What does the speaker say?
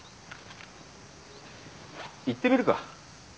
行ってみるか？